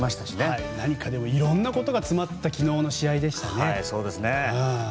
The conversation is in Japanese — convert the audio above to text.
いろいろなことが詰まった昨日の試合でした。